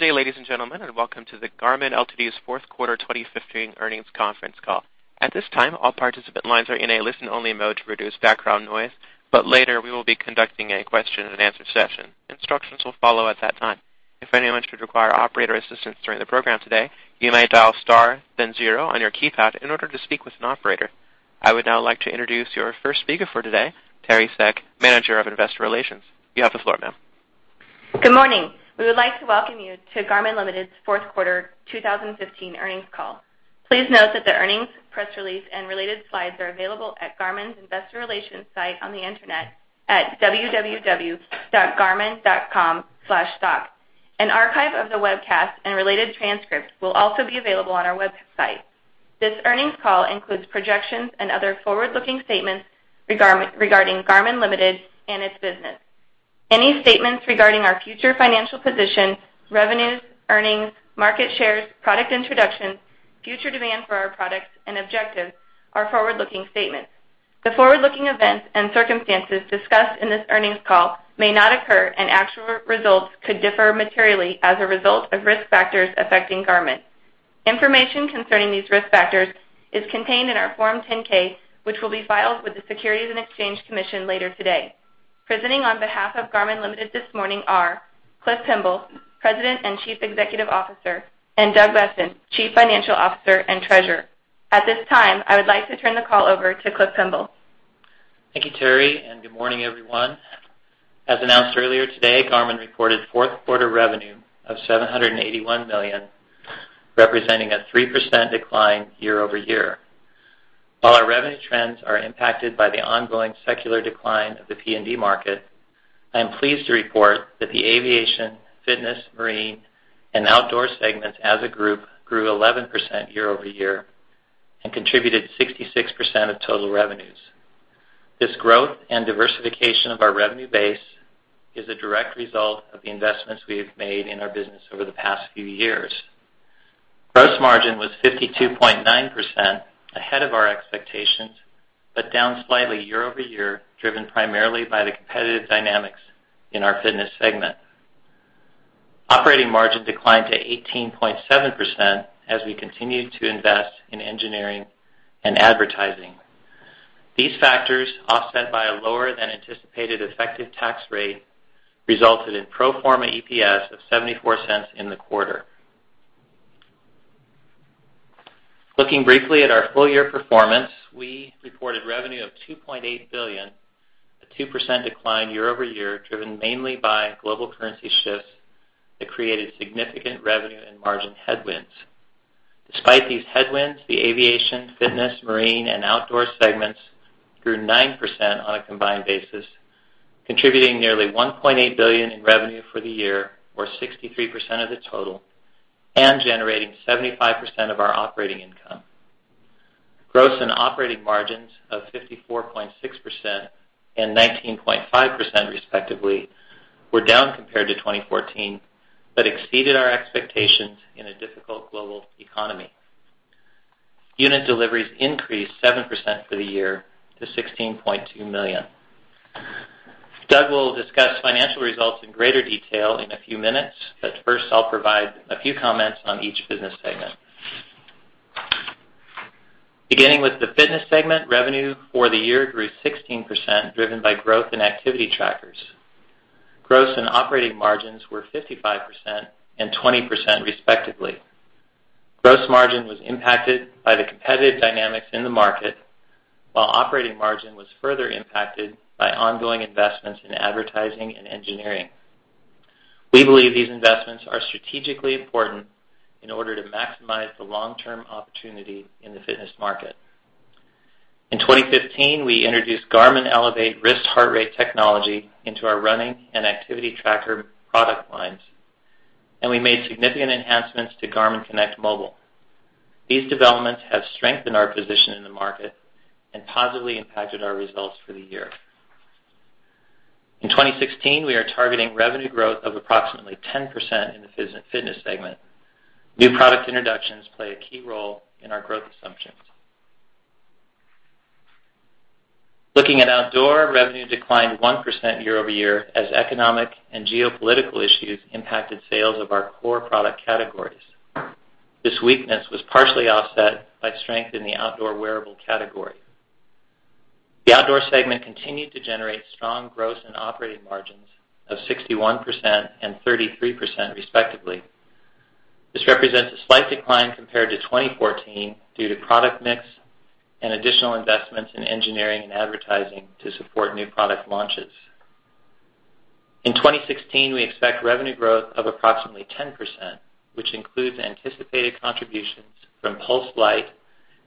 Good day, ladies and gentlemen, and welcome to the Garmin Ltd.'s fourth quarter 2015 earnings conference call. At this time, all participant lines are in a listen-only mode to reduce background noise, but later we will be conducting a question and answer session. Instructions will follow at that time. If anyone should require operator assistance during the program today, you may dial star then zero on your keypad in order to speak with an operator. I would now like to introduce your first speaker for today, Teri Seck, Manager of Investor Relations. You have the floor, ma'am. Good morning. We would like to welcome you to Garmin Ltd.'s fourth quarter 2015 earnings call. Please note that the earnings, press release, and related slides are available at Garmin's Investor Relations site on the internet at www.garmin.com/stock. An archive of the webcast and related transcript will also be available on our website. This earnings call includes projections and other forward-looking statements regarding Garmin Ltd. and its business. Any statements regarding our future financial position, revenues, earnings, market shares, product introductions, future demand for our products, and objectives are forward-looking statements. The forward-looking events and circumstances discussed in this earnings call may not occur, and actual results could differ materially as a result of risk factors affecting Garmin. Information concerning these risk factors is contained in our Form 10-K, which will be filed with the Securities and Exchange Commission later today. Presenting on behalf of Garmin Ltd. this morning are Cliff Pemble, President and Chief Executive Officer, and Doug Boessen, Chief Financial Officer and Treasurer. At this time, I would like to turn the call over to Cliff Pemble. Thank you, Teri, and good morning, everyone. As announced earlier today, Garmin reported fourth quarter revenue of $781 million, representing a 3% decline year-over-year. While our revenue trends are impacted by the ongoing secular decline of the P&D market, I am pleased to report that the aviation, fitness, marine, and outdoor segments as a group grew 11% year-over-year and contributed 66% of total revenues. This growth and diversification of our revenue base is a direct result of the investments we have made in our business over the past few years. Gross margin was 52.9%, ahead of our expectations, but down slightly year-over-year, driven primarily by the competitive dynamics in our fitness segment. Operating margin declined to 18.7% as we continued to invest in engineering and advertising. These factors, offset by a lower than anticipated effective tax rate, resulted in pro forma EPS of $0.74 in the quarter. Looking briefly at our full year performance, we reported revenue of $2.8 billion, a 2% decline year-over-year, driven mainly by global currency shifts that created significant revenue and margin headwinds. Despite these headwinds, the aviation, fitness, marine, and outdoor segments grew 9% on a combined basis, contributing nearly $1.8 billion in revenue for the year, or 63% of the total, and generating 75% of our operating income. Gross and operating margins of 54.6% and 19.5% respectively were down compared to 2014, but exceeded our expectations in a difficult global economy. Unit deliveries increased 7% for the year to 16.2 million. Doug will discuss financial results in greater detail in a few minutes, but first I'll provide a few comments on each business segment. Beginning with the fitness segment, revenue for the year grew 16%, driven by growth in activity trackers. Gross and operating margins were 55% and 20% respectively. Gross margin was impacted by the competitive dynamics in the market, while operating margin was further impacted by ongoing investments in advertising and engineering. We believe these investments are strategically important in order to maximize the long-term opportunity in the fitness market. In 2015, we introduced Garmin Elevate wrist heart rate technology into our running and activity tracker product lines, and we made significant enhancements to Garmin Connect Mobile. These developments have strengthened our position in the market and positively impacted our results for the year. In 2016, we are targeting revenue growth of approximately 10% in the fitness segment. New product introductions play a key role in our growth assumptions. Looking at outdoor, revenue declined 1% year-over-year as economic and geopolitical issues impacted sales of our core product categories. This weakness was partially offset by strength in the outdoor wearable category. The outdoor segment continued to generate strong gross and operating margins of 61% and 33% respectively. This represents a slight decline compared to 2014 due to product mix and additional investments in engineering and advertising to support new product launches. In 2016, we expect revenue growth of approximately 10%, which includes anticipated contributions from PulsedLight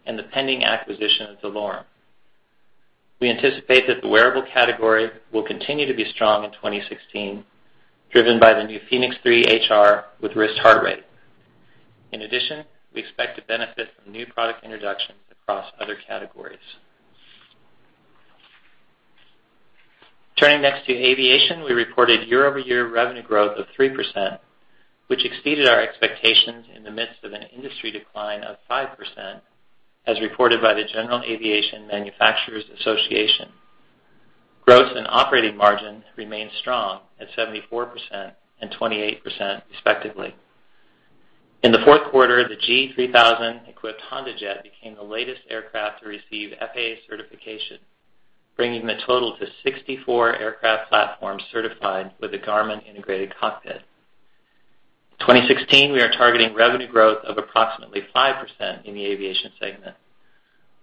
and the pending acquisition of DeLorme. We anticipate that the wearable category will continue to be strong in 2016, driven by the new fēnix 3 HR with wrist heart rate. In addition, we expect to benefit from new product introductions across other categories. Turning next to aviation, we reported year-over-year revenue growth of 3%, which exceeded our expectations in the midst of an industry decline of 5%, as reported by the General Aviation Manufacturers Association. Gross and operating margin remained strong at 74% and 28% respectively. In the fourth quarter, the G3000-equipped HondaJet became the latest aircraft to receive FAA certification, bringing the total to 64 aircraft platforms certified with a Garmin integrated cockpit. In 2016, we are targeting revenue growth of approximately 5% in the aviation segment.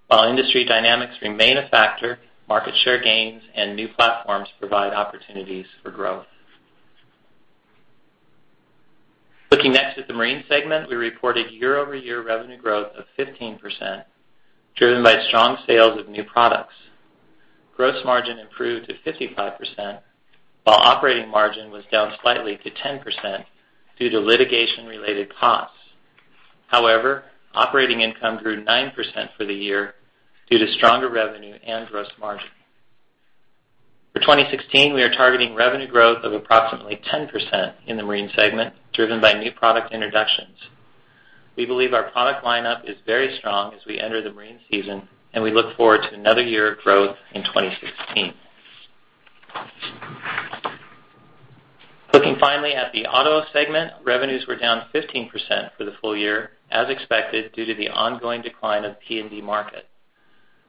While industry dynamics remain a factor, market share gains and new platforms provide opportunities for growth. Looking next at the marine segment, we reported year-over-year revenue growth of 15%, driven by strong sales of new products. Gross margin improved to 55%, while operating margin was down slightly to 10% due to litigation-related costs. Operating income grew 9% for the year due to stronger revenue and gross margin. For 2016, we are targeting revenue growth of approximately 10% in the marine segment, driven by new product introductions. We believe our product lineup is very strong as we enter the marine season, and we look forward to another year of growth in 2016. Looking finally at the auto segment, revenues were down 15% for the full year, as expected, due to the ongoing decline of P&D market.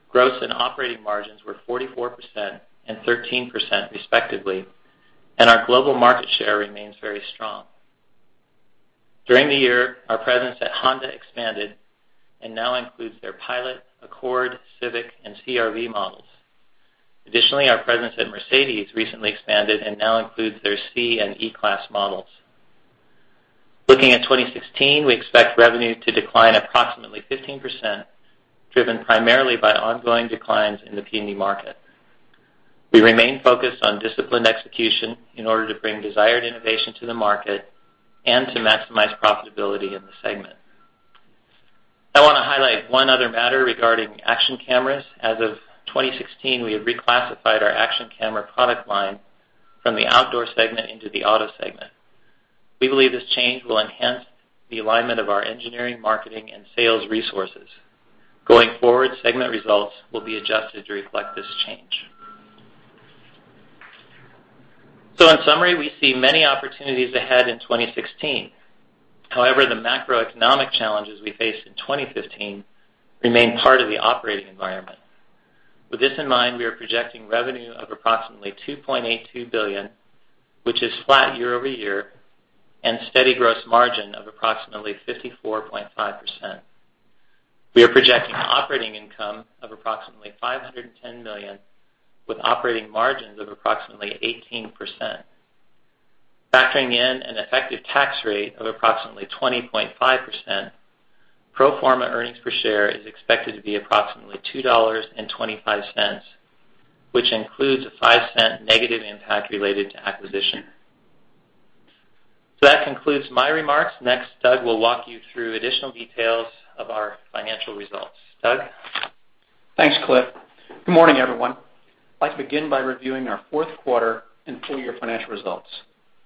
Gross and operating margins were 44% and 13%, respectively, and our global market share remains very strong. During the year, our presence at Honda expanded and now includes their Pilot, Accord, Civic, and CR-V models. Additionally, our presence at Mercedes recently expanded and now includes their C-Class and E-Class models. Looking at 2016, we expect revenue to decline approximately 15%, driven primarily by ongoing declines in the P&D market. We remain focused on disciplined execution in order to bring desired innovation to the market and to maximize profitability in the segment. I want to highlight one other matter regarding action cameras. As of 2016, we have reclassified our action camera product line from the outdoor segment into the auto segment. We believe this change will enhance the alignment of our engineering, marketing, and sales resources. Going forward, segment results will be adjusted to reflect this change. In summary, we see many opportunities ahead in 2016. The macroeconomic challenges we faced in 2015 remain part of the operating environment. With this in mind, we are projecting revenue of approximately $2.82 billion, which is flat year-over-year, and steady gross margin of approximately 54.5%. We are projecting operating income of approximately $510 million, with operating margins of approximately 18%. Factoring in an effective tax rate of approximately 20.5%, pro forma earnings per share is expected to be approximately $2.25, which includes a $0.05 negative impact related to acquisition. That concludes my remarks. Next, Doug will walk you through additional details of our financial results. Doug? Thanks, Cliff. Good morning, everyone. I'd like to begin by reviewing our fourth quarter and full year financial results,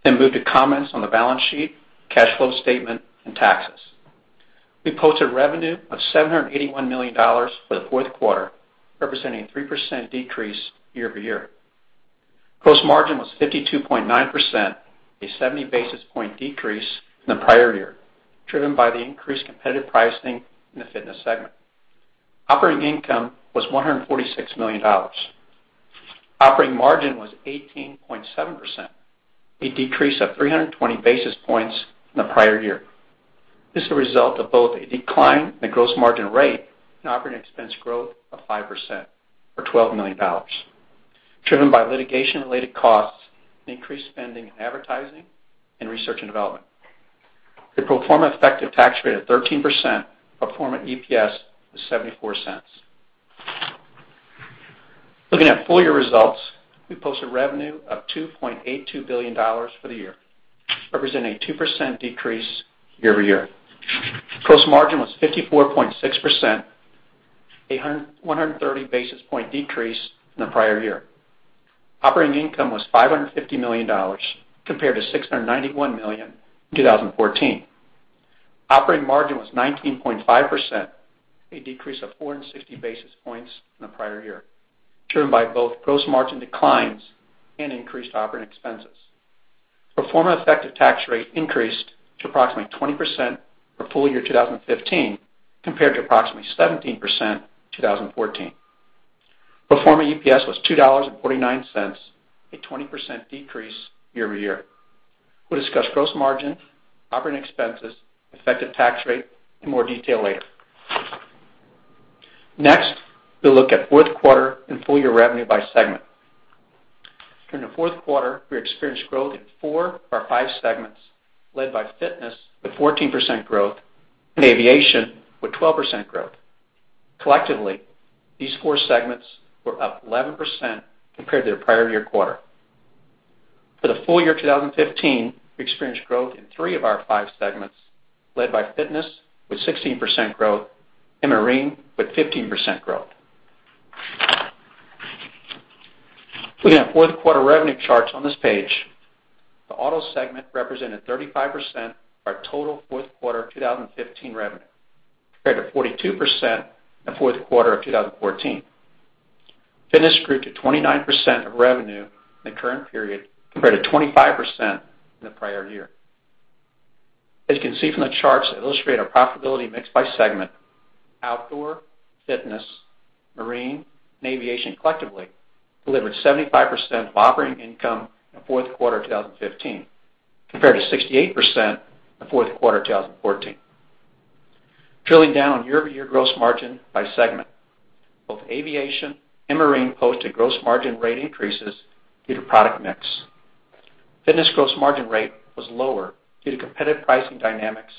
then move to comments on the balance sheet, cash flow statement, and taxes. We posted revenue of $781 million for the fourth quarter, representing 3% decrease year-over-year. Gross margin was 52.9%, a 70-basis-point decrease from the prior year, driven by the increased competitive pricing in the fitness segment. Operating income was $146 million. Operating margin was 18.7%, a decrease of 320 basis points from the prior year. This is a result of both a decline in the gross margin rate and operating expense growth of 5%, or $12 million, driven by litigation-related costs and increased spending in advertising and research and development. The pro forma effective tax rate of 13%, pro forma EPS was $0.74. Looking at full year results, we posted revenue of $2.82 billion for the year, representing a 2% decrease year-over-year. Gross margin was 54.6%, a 130-basis-point decrease from the prior year. Operating income was $550 million, compared to $691 million in 2014. Operating margin was 19.5%, a decrease of 460 basis points from the prior year, driven by both gross margin declines and increased operating expenses. Pro forma effective tax rate increased to approximately 20% for full year 2015, compared to approximately 17% in 2014. Pro forma EPS was $2.49, a 20% decrease year-over-year. We'll discuss gross margin, operating expenses, effective tax rate in more detail later. We'll look at fourth quarter and full year revenue by segment. During the fourth quarter, we experienced growth in four of our five segments, led by fitness with 14% growth and aviation with 12% growth. Collectively, these four segments were up 11% compared to their prior year quarter. For the full year 2015, we experienced growth in three of our five segments, led by fitness with 16% growth and marine with 15% growth. Looking at fourth quarter revenue charts on this page. The auto segment represented 35% of our total fourth quarter 2015 revenue, compared to 42% in the fourth quarter of 2014. Fitness grew to 29% of revenue in the current period, compared to 25% in the prior year. As you can see from the charts that illustrate our profitability mix by segment, outdoor, fitness, marine, and aviation collectively delivered 75% of operating income in the fourth quarter of 2015, compared to 68% in the fourth quarter of 2014. Drilling down on year-over-year gross margin by segment, both aviation and marine posted gross margin rate increases due to product mix. Fitness gross margin rate was lower due to competitive pricing dynamics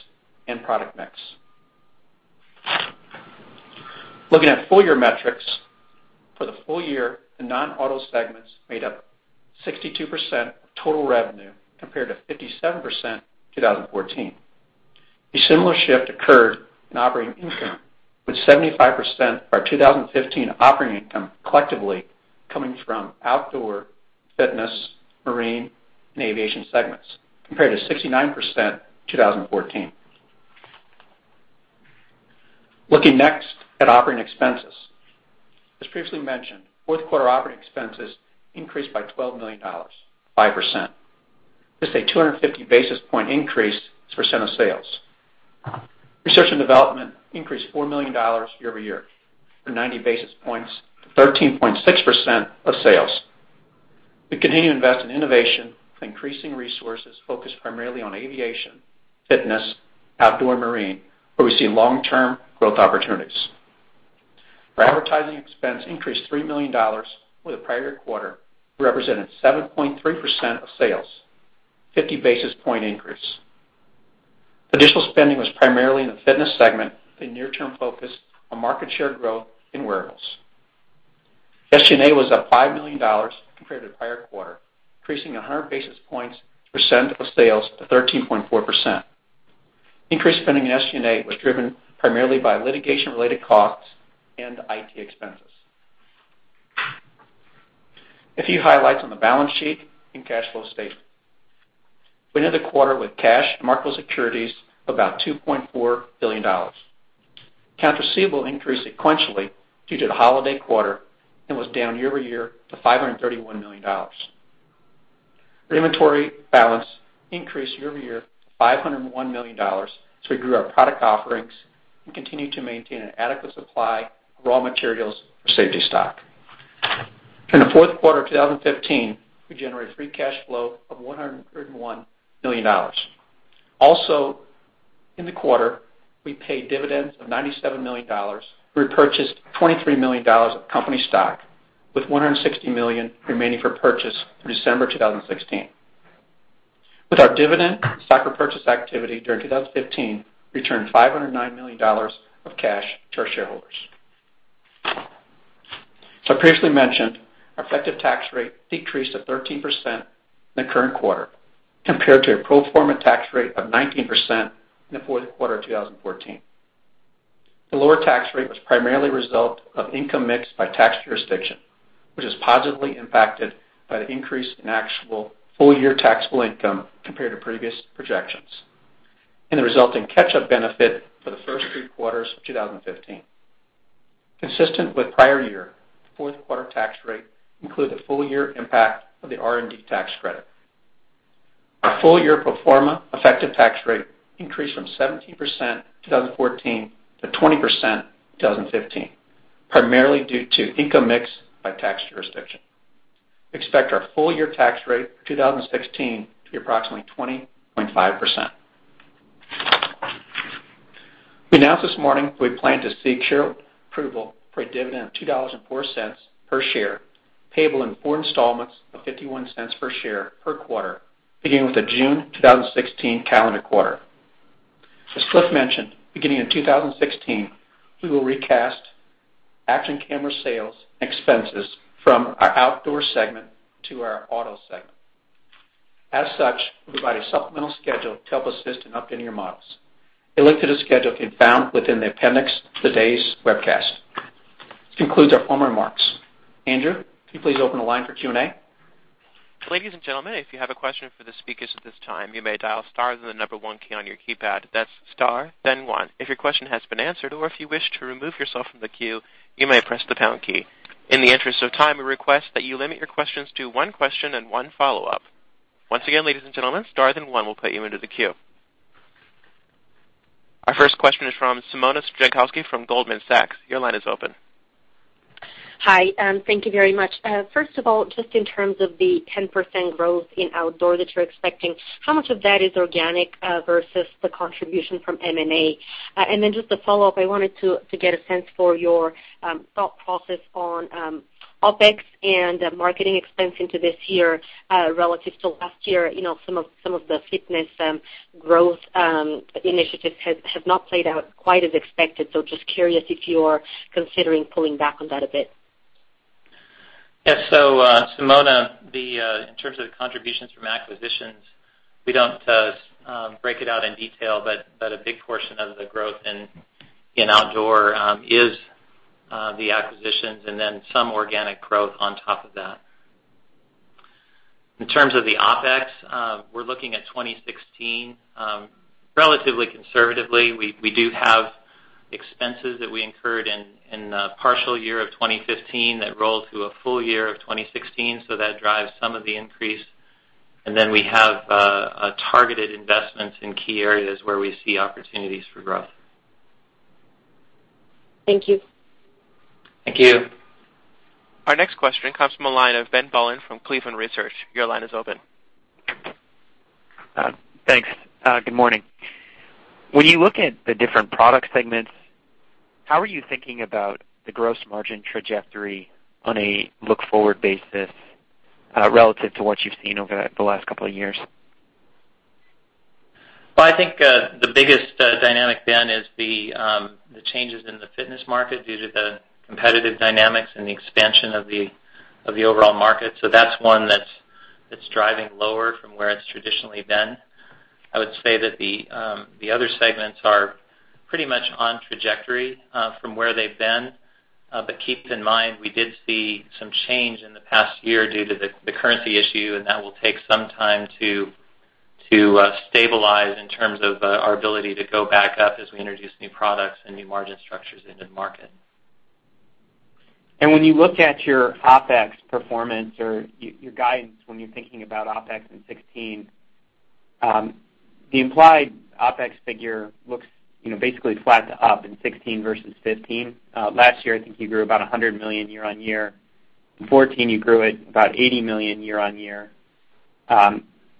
and product mix. Looking at full-year metrics. For the full year, the non-auto segments made up 62% of total revenue, compared to 57% in 2014. A similar shift occurred in operating income, with 75% of our 2015 operating income collectively coming from outdoor, fitness, marine, and aviation segments, compared to 69% in 2014. Looking at operating expenses. As previously mentioned, fourth quarter operating expenses increased by $12 million, 5%. This is a 250-basis-point increase as a % of sales. Research and development increased $4 million year-over-year, or 90 basis points to 13.6% of sales. We continue to invest in innovation with increasing resources focused primarily on aviation, fitness, outdoor, and marine, where we see long-term growth opportunities. Our advertising expense increased $3 million over the prior quarter to represent 7.3% of sales, a 50-basis-point increase. Additional spending was primarily in the fitness segment with a near-term focus on market share growth in wearables. SG&A was up $5 million compared to the prior quarter, increasing 100 basis points as a % of sales to 13.4%. Increased spending in SG&A was driven primarily by litigation-related costs and IT expenses. A few highlights on the balance sheet and cash flow statement. We ended the quarter with cash and marketable securities of about $2.4 billion. Accounts receivable increased sequentially due to the holiday quarter and was down year-over-year to $531 million. Our inventory balance increased year-over-year to $501 million as we grew our product offerings and continued to maintain an adequate supply of raw materials for safety stock. During the fourth quarter of 2015, we generated free cash flow of $131 million. In the quarter, we paid dividends of $97 million. We repurchased $23 million of company stock, with $160 million remaining for purchase through December 2016. With our dividend and stock repurchase activity during 2015, we returned $509 million of cash to our shareholders. As I previously mentioned, our effective tax rate decreased to 13% in the current quarter, compared to a pro forma tax rate of 19% in the fourth quarter of 2014. The lower tax rate was primarily a result of income mix by tax jurisdiction, which was positively impacted by the increase in actual full-year taxable income compared to previous projections and the resulting catch-up benefit for the first three quarters of 2015. Consistent with the prior year, the fourth quarter tax rate included the full-year impact of the R&D tax credit. Our full-year pro forma effective tax rate increased from 17% in 2014 to 20% in 2015, primarily due to income mix by tax jurisdiction. We expect our full-year tax rate for 2016 to be approximately 20.5%. We announced this morning that we plan to seek shareholder approval for a dividend of $2.04 per share, payable in four installments of $0.51 per share per quarter, beginning with the June 2016 calendar quarter. As Cliff mentioned, beginning in 2016, we will recast action camera sales and expenses from our outdoor segment to our auto segment. As such, we provide a supplemental schedule to help assist in updating your models. A link to this schedule can be found within the appendix of today's webcast. This concludes our formal remarks. Andrew, can you please open the line for Q&A? Ladies and gentlemen, if you have a question for the speakers at this time, you may dial star then the number one key on your keypad. That's star then one. If your question has been answered or if you wish to remove yourself from the queue, you may press the pound key. In the interest of time, we request that you limit your questions to one question and one follow-up. Once again, ladies and gentlemen, star then one will put you into the queue. Our first question is from Simona Jankowski from Goldman Sachs. Your line is open. Hi. Thank you very much. First of all, just in terms of the 10% growth in outdoor that you're expecting, how much of that is organic versus the contribution from M&A? Just a follow-up, I wanted to get a sense for your thought process on OpEx and marketing expense into this year relative to last year. Some of the fitness growth initiatives have not played out quite as expected, so just curious if you're considering pulling back on that a bit. Yes. Simona, in terms of the contributions from acquisitions, we don't break it out in detail, but a big portion of the growth in Outdoor is The acquisitions. Then some organic growth on top of that. In terms of the OpEx, we're looking at 2016 relatively conservatively. We do have expenses that we incurred in the partial year of 2015 that roll through a full year of 2016, that drives some of the increase. Then we have targeted investments in key areas where we see opportunities for growth. Thank you. Thank you. Our next question comes from the line of Ben Bollin from Cleveland Research. Your line is open. Thanks. Good morning. When you look at the different product segments, how are you thinking about the gross margin trajectory on a look-forward basis relative to what you've seen over the last couple of years? Well, I think the biggest dynamic, Ben, is the changes in the fitness market due to the competitive dynamics and the expansion of the overall market. That's one that's driving lower from where it's traditionally been. I would say that the other segments are pretty much on trajectory from where they've been. Keep in mind, we did see some change in the past year due to the currency issue, and that will take some time to stabilize in terms of our ability to go back up as we introduce new products and new margin structures into the market. When you look at your OpEx performance or your guidance when you're thinking about OpEx in 2016, the implied OpEx figure looks basically flat to up in 2016 versus 2015. Last year, I think you grew about $100 million year-over-year. In 2014, you grew at about $80 million year-over-year.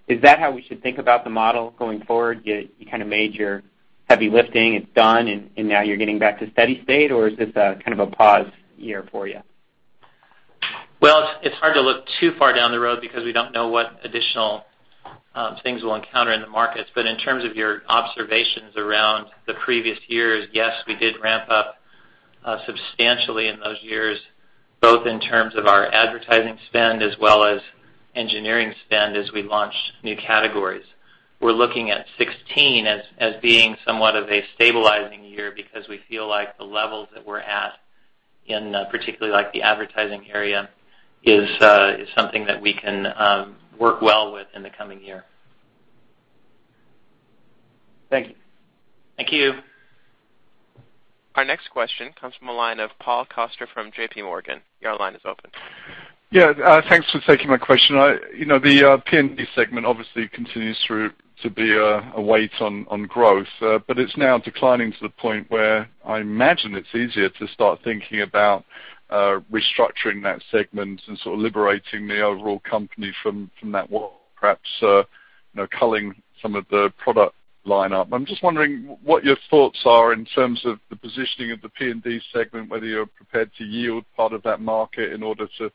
Is that how we should think about the model going forward? You made your heavy lifting, it's done, and now you're getting back to steady state, or is this a pause year for you? Well, it's hard to look too far down the road because we don't know what additional things we'll encounter in the markets. In terms of your observations around the previous years, yes, we did ramp up substantially in those years, both in terms of our advertising spend as well as engineering spend as we launched new categories. We're looking at 2016 as being somewhat of a stabilizing year because we feel like the levels that we're at, in particular like the advertising area, is something that we can work well with in the coming year. Thank you. Thank you. Our next question comes from the line of Paul Coster from JPMorgan. Your line is open. Yeah. Thanks for taking my question. The P&D segment obviously continues to be a weight on growth. It's now declining to the point where I imagine it's easier to start thinking about restructuring that segment and sort of liberating the overall company from that, perhaps culling some of the product lineup. I'm just wondering what your thoughts are in terms of the positioning of the P&D segment, whether you're prepared to yield part of that market in order to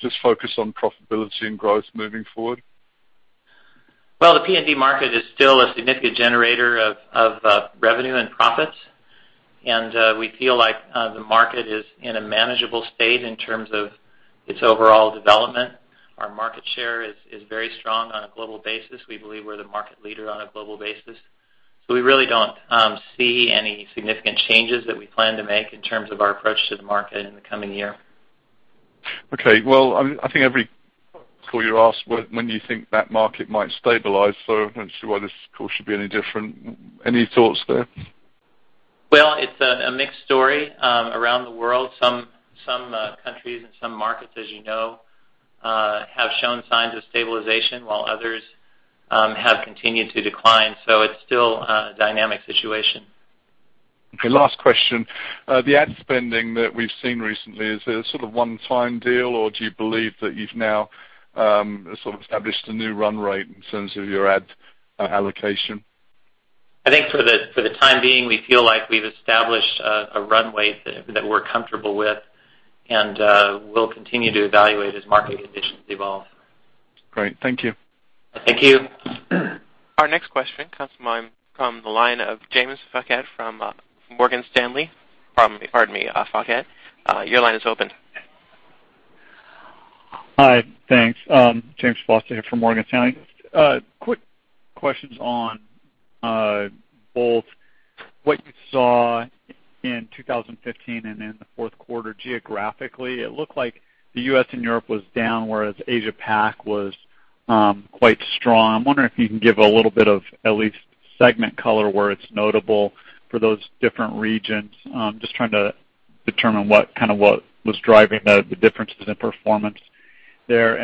just focus on profitability and growth moving forward. Well, the P&D market is still a significant generator of revenue and profits. We feel like the market is in a manageable state in terms of its overall development. Our market share is very strong on a global basis. We believe we're the market leader on a global basis. We really don't see any significant changes that we plan to make in terms of our approach to the market in the coming year. Okay. Well, I think every quarter you're asked when you think that market might stabilize. I don't see why this call should be any different. Any thoughts there? Well, it's a mixed story. Around the world, some countries and some markets, as you know, have shown signs of stabilization while others have continued to decline. It's still a dynamic situation. Okay, last question. The ad spending that we've seen recently, is it a sort of one-time deal, or do you believe that you've now sort of established a new run rate in terms of your ad allocation? I think for the time being, we feel like we've established a run rate that we're comfortable with, and we'll continue to evaluate as market conditions evolve. Great. Thank you. Thank you. Our next question comes from the line of James Faucette from Morgan Stanley. Pardon me. Faucette, your line is open. Hi. Thanks. James Faucette here from Morgan Stanley. Quick questions on both what you saw in 2015 and in the fourth quarter geographically. It looked like the U.S. and Europe was down, whereas Asia-Pac was quite strong. I'm wondering if you can give a little bit of at least segment color where it's notable for those different regions. Just trying to determine what was driving the differences in performance there.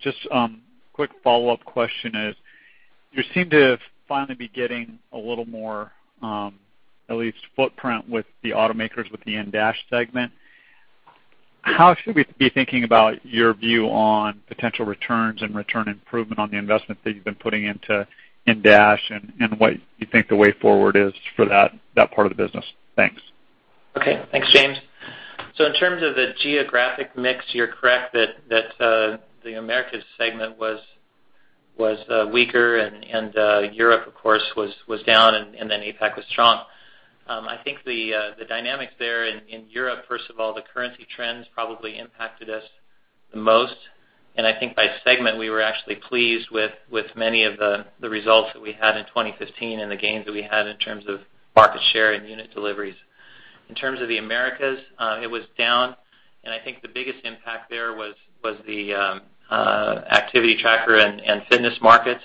Just quick follow-up question is, you seem to finally be getting a little more at least footprint with the automakers with the in-dash segment. How should we be thinking about your view on potential returns and return improvement on the investment that you've been putting into in-dash and what you think the way forward is for that part of the business? Thanks. Okay. Thanks, James. In terms of the geographic mix, you're correct that the Americas segment was weaker and Europe, of course, was down. APAC was strong. I think the dynamics there in Europe, first of all, the currency trends probably impacted us the most, and I think by segment, we were actually pleased with many of the results that we had in 2015 and the gains that we had in terms of market share and unit deliveries. In terms of the Americas, it was down, and I think the biggest impact there was the activity tracker and fitness markets,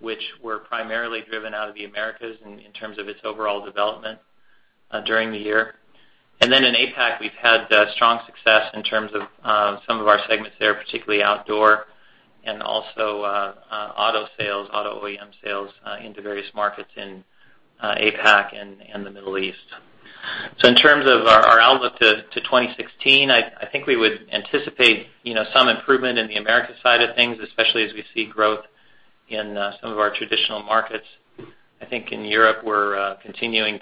which were primarily driven out of the Americas in terms of its overall development during the year. In APAC, we've had strong success in terms of some of our segments there, particularly outdoor and also auto sales, auto OEM sales, into various markets in APAC and the Middle East. In terms of our outlook to 2016, we would anticipate some improvement in the Americas side of things, especially as we see growth in some of our traditional markets. In Europe we're continuing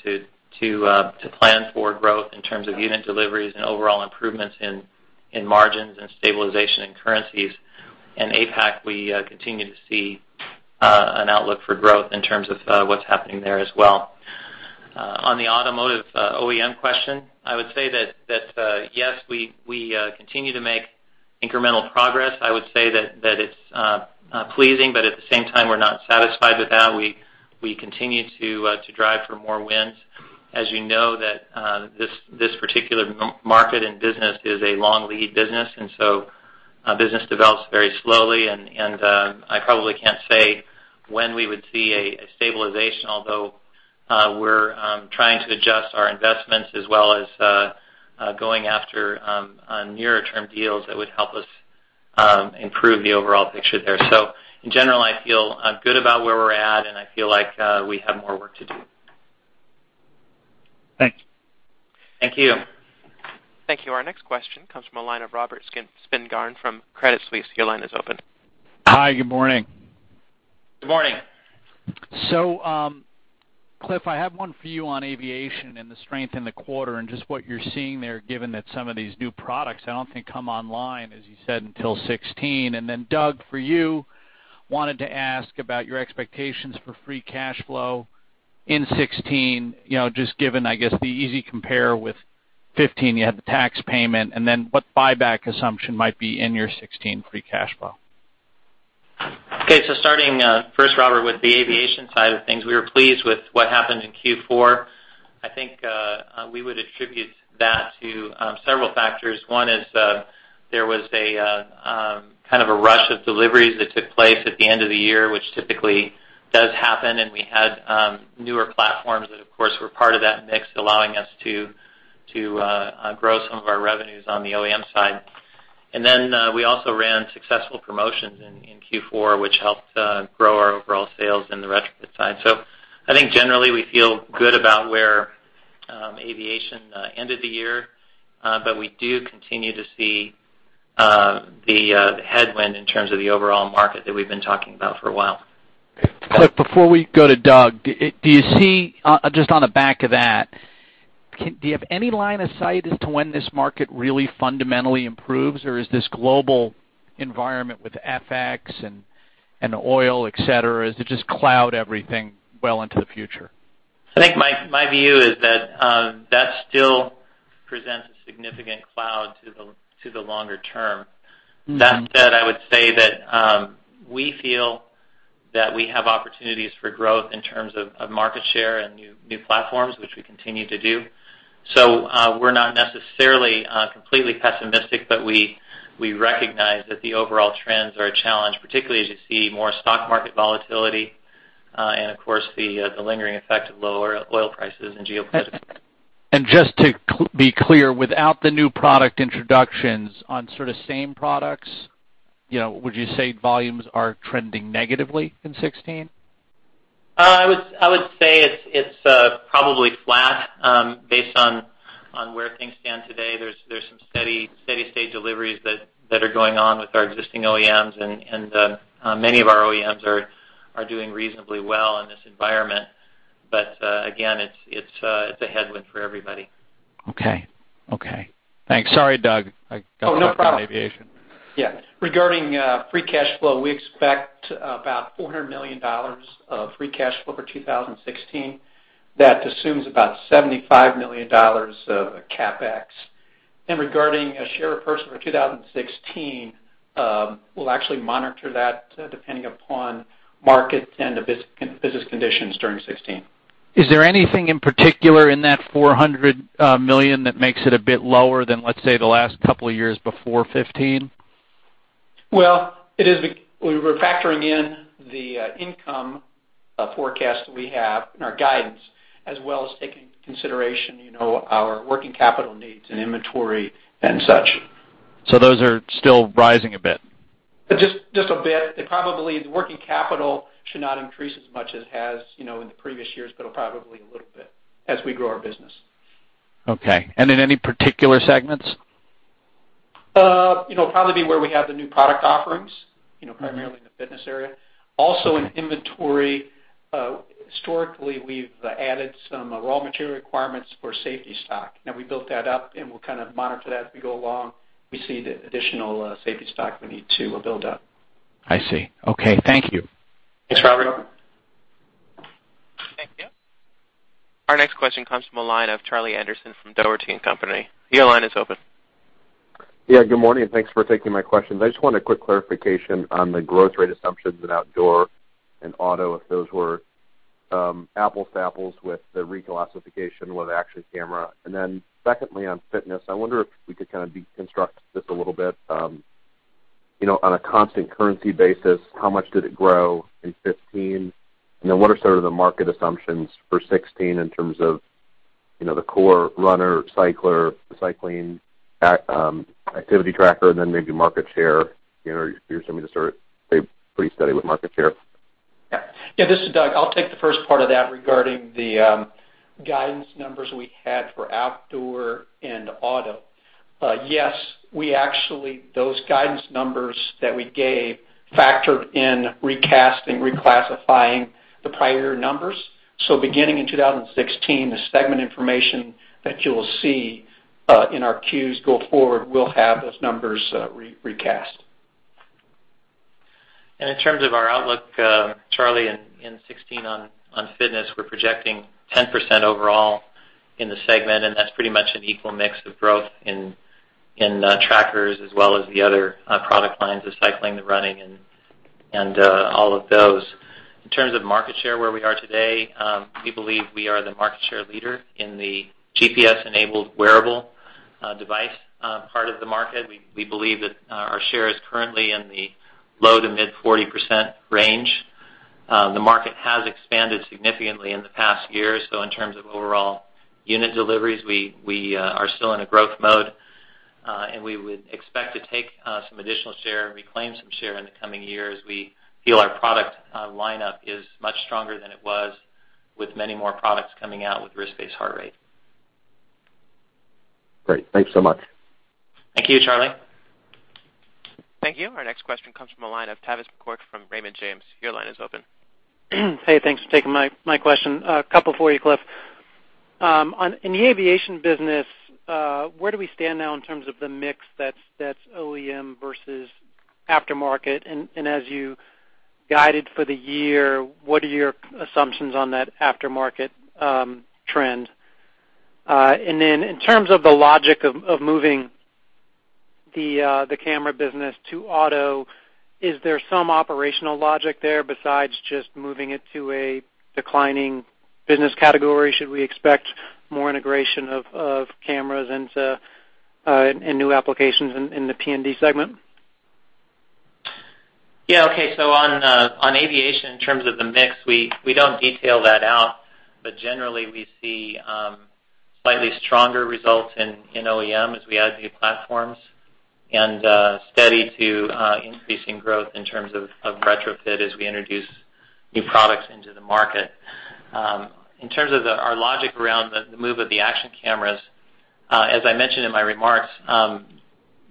to plan for growth in terms of unit deliveries and overall improvements in margins and stabilization in currencies. In APAC, we continue to see an outlook for growth in terms of what's happening there as well. On the automotive OEM question, yes, we continue to make incremental progress. It's pleasing, but at the same time, we're not satisfied with that. We continue to drive for more wins. As you know, this particular market and business is a long lead business develops very slowly and I probably can't say when we would see a stabilization, although we're trying to adjust our investments as well as going after nearer term deals that would help us improve the overall picture there. In general, I feel good about where we're at, and I feel like we have more work to do. Thanks. Thank you. Thank you. Our next question comes from the line of Robert Spingarn from Credit Suisse. Your line is open. Hi, good morning. Good morning. Cliff, I have one for you on aviation and the strength in the quarter and just what you're seeing there, given that some of these new products I don't think come online, as you said, until 2016. Doug, for you, wanted to ask about your expectations for free cash flow in 2016, just given, I guess, the easy compare with 2015. You had the tax payment, what buyback assumption might be in your 2016 free cash flow? Starting first, Robert Spingarn, with the aviation side of things, we were pleased with what happened in Q4. I think we would attribute that to several factors. One is, there was a kind of a rush of deliveries that took place at the end of the year, which typically does happen, and we had newer platforms that of course, were part of that mix, allowing us to grow some of our revenues on the OEM side. We also ran successful promotions in Q4, which helped grow our overall sales in the retrofit side. I think generally we feel good about where aviation ended the year. We do continue to see the headwind in terms of the overall market that we've been talking about for a while. Cliff, before we go to Doug, do you see, just on the back of that, do you have any line of sight as to when this market really fundamentally improves? Is this global environment with FX and oil, et cetera, does it just cloud everything well into the future? I think my view is that that still presents a significant cloud to the longer term. That said, I would say that we feel that we have opportunities for growth in terms of market share and new platforms, which we continue to do. We're not necessarily completely pessimistic, but we recognize that the overall trends are a challenge, particularly as you see more stock market volatility, and of course, the lingering effect of lower oil prices. Just to be clear, without the new product introductions on sort of same products, would you say volumes are trending negatively in 2016? I would say it's probably flat based on where things stand today. There's some steady state deliveries that are going on with our existing OEMs, and many of our OEMs are doing reasonably well in this environment. Again, it's a headwind for everybody. Okay. Thanks. Sorry, Doug. I got caught up in aviation. Oh, no problem. Yeah. Regarding free cash flow, we expect about $400 million of free cash flow for 2016. That assumes about $75 million of CapEx. Regarding a share repurchase for 2016, we'll actually monitor that depending upon markets and the business conditions during 2016. Is there anything in particular in that $400 million that makes it a bit lower than, let's say, the last couple of years before 2015? Well, we were factoring in the income forecast that we have and our guidance, as well as taking into consideration our working capital needs and inventory and such. those are still rising a bit? Just a bit. Probably the working capital should not increase as much as it has in the previous years, but probably a little bit as we grow our business. Okay. In any particular segments? It'll probably be where we have the new product offerings, primarily in the fitness area. Also in inventory. Historically, we've added some raw material requirements for safety stock. Now we built that up, and we'll kind of monitor that as we go along. We see the additional safety stock we need to build up. I see. Okay. Thank you. Thanks, Robert. Thank you. Our next question comes from the line of Charlie Anderson from Dougherty & Company. Your line is open. Yeah, good morning. Thanks for taking my questions. I just wanted a quick clarification on the growth rate assumptions in outdoor and auto, if those were apples to apples with the reclassification with action camera. Secondly, on fitness, I wonder if we could kind of deconstruct this a little bit. On a constant currency basis, how much did it grow in 2015? And then what are sort of the market assumptions for 2016 in terms of the core runner, cycler, cycling, activity tracker, and then maybe market share. You're assuming to start pretty steady with market share. Yeah. This is Doug. I'll take the first part of that regarding the guidance numbers we had for outdoor and auto. Yes, those guidance numbers that we gave factored in recasting, reclassifying the prior numbers. Beginning in 2016, the segment information that you'll see in our Q's go forward will have those numbers recast. In terms of our outlook, Charlie, in 2016 on fitness, we're projecting 10% overall in the segment, and that's pretty much an equal mix of growth in trackers as well as the other product lines, the cycling, the running, and all of those. In terms of market share, where we are today, we believe we are the market share leader in the GPS-enabled wearable device part of the market. We believe that our share is currently in the low to mid 40% range. The market has expanded significantly in the past year, so in terms of overall unit deliveries, we are still in a growth mode. We would expect to take some additional share and reclaim some share in the coming year as we feel our product lineup is much stronger than it was, with many more products coming out with wrist-based heart rate. Great. Thanks so much. Thank you, Charlie. Thank you. Our next question comes from the line of Tavis McCourt from Raymond James. Your line is open. Hey, thanks for taking my question. A couple for you, Cliff. In the aviation business, where do we stand now in terms of the mix that's OEM versus aftermarket? As you guided for the year, what are your assumptions on that aftermarket trend? In terms of the logic of moving the camera business to auto, is there some operational logic there besides just moving it to a declining business category? Should we expect more integration of cameras and new applications in the P&D segment? Yeah. Okay. On aviation, in terms of the mix, we don't detail that out, but generally, we see slightly stronger results in OEM as we add new platforms and steady to increasing growth in terms of retrofit as we introduce new products into the market. In terms of our logic around the move of the action cameras, as I mentioned in my remarks,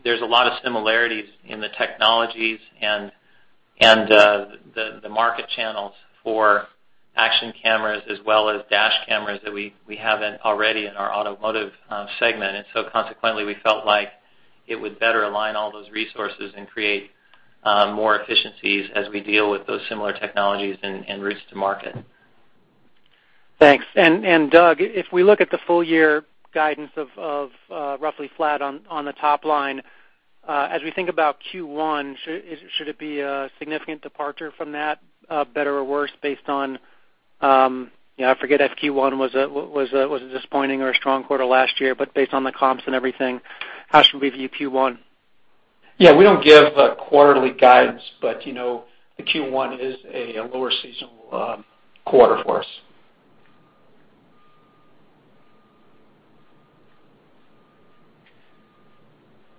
there's a lot of similarities in the technologies and the market channels for action cameras as well as dash cameras that we have in already in our automotive segment. Consequently, we felt like it would better align all those resources and create more efficiencies as we deal with those similar technologies and routes to market. Thanks. Doug, if we look at the full-year guidance of roughly flat on the top line, as we think about Q1, should it be a significant departure from that, better or worse based on, I forget if Q1 was a disappointing or a strong quarter last year, but based on the comps and everything, how should we view Q1? Yeah. We don't give quarterly guidance. Q1 is a lower seasonal quarter for us.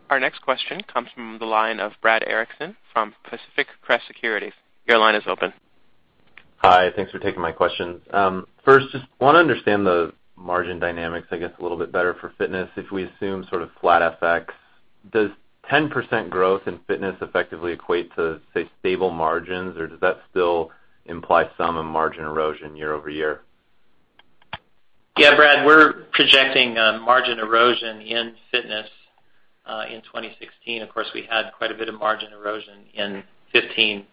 Our next question comes from the line of Brad Erickson from Pacific Crest Securities. Your line is open. Hi. Thanks for taking my questions. First, just want to understand the margin dynamics, I guess, a little bit better for fitness. If we assume sort of flat FX, does 10% growth in fitness effectively equate to, say, stable margins, or does that still imply some margin erosion year-over-year? Yeah, Brad, we're projecting margin erosion in fitness in 2016. Of course, we had quite a bit of margin erosion in 2015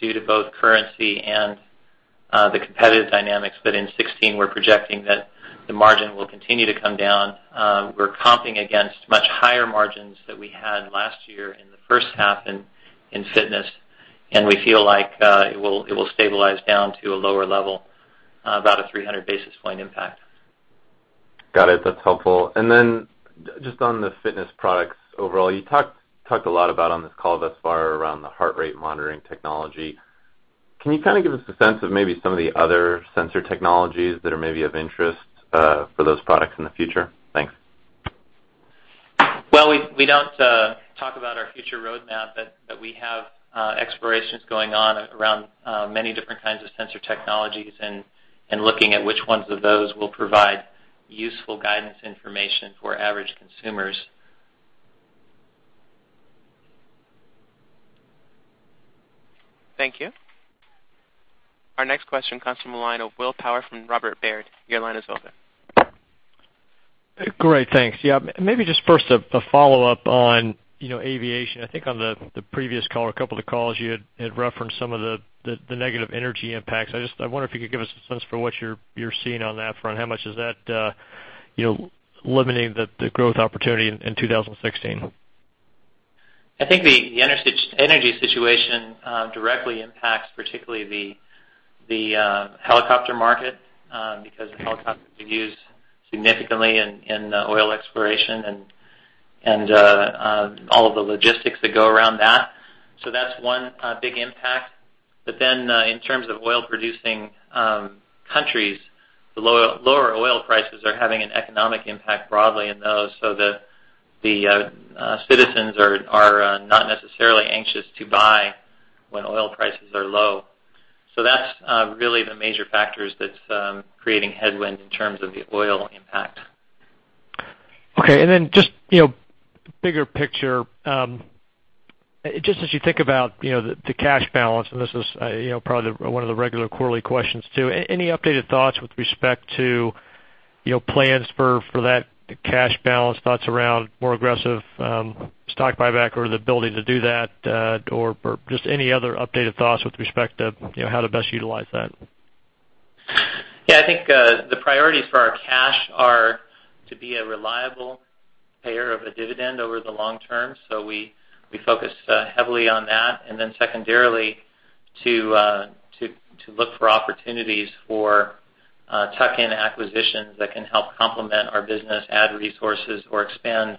due to both currency and the competitive dynamics. In 2016, we're projecting that the margin will continue to come down. We're comping against much higher margins that we had last year in the first half in fitness, and we feel like it will stabilize down to a lower level, about a 300 basis point impact. Got it. That's helpful. Just on the fitness products overall, you talked a lot about on this call thus far around the heart rate monitoring technology. Can you kind of give us a sense of maybe some of the other sensor technologies that are maybe of interest for those products in the future? Thanks. Well, we don't talk about our future roadmap, but we have explorations going on around many different kinds of sensor technologies and looking at which ones of those will provide useful guidance information for average consumers. Thank you. Our next question comes from the line of Will Power from Robert W. Baird. Your line is open. Great. Thanks. Yeah. Maybe just first a follow-up on aviation. I think on the previous call or a couple of calls, you had referenced some of the negative energy impacts. I wonder if you could give us a sense for what you're seeing on that front. How much is that limiting the growth opportunity in 2016? I think the energy situation directly impacts particularly the helicopter market, because helicopters are used significantly in oil exploration and all of the logistics that go around that. That's one big impact. In terms of oil-producing countries, the lower oil prices are having an economic impact broadly in those, so the citizens are not necessarily anxious to buy when oil prices are low. That's really the major factors that's creating headwind in terms of the oil impact. Okay. Just bigger picture, just as you think about the cash balance, and this is probably one of the regular quarterly questions, too. Any updated thoughts with respect to plans for that cash balance, thoughts around more aggressive stock buyback or the ability to do that, or just any other updated thoughts with respect to how to best utilize that? Yeah, I think the priorities for our cash are to be a reliable payer of a dividend over the long term, so we focus heavily on that. Secondarily, to look for opportunities for tuck-in acquisitions that can help complement our business, add resources, or expand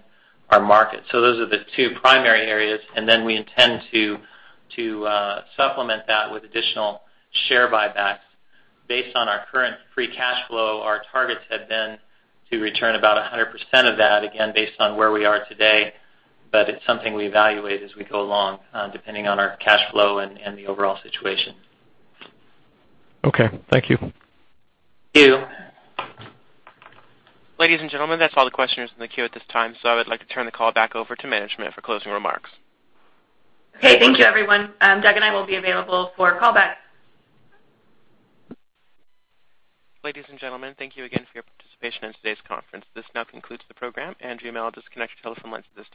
our market. Those are the two primary areas, we intend to supplement that with additional share buybacks. Based on our current free cash flow, our targets have been to return about 100% of that, again, based on where we are today. It's something we evaluate as we go along, depending on our cash flow and the overall situation. Okay, thank you. Thank you. Ladies and gentlemen, that's all the questions in the queue at this time, so I would like to turn the call back over to management for closing remarks. Okay, thank you, everyone. Doug and I will be available for call back. Ladies and gentlemen, thank you again for your participation in today's conference. This now concludes the program, and you may all disconnect your telephone lines at this time.